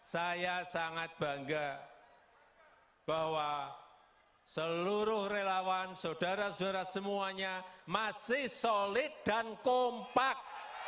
saya sangat bangga bahwa seluruh relawan saudara saudara semuanya masih solid dan kompak